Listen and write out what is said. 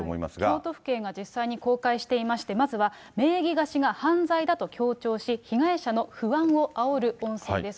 京都府警が実際に公開していまして、まずは名義貸しが犯罪だと強調し、被害者の不安をあおる音声です。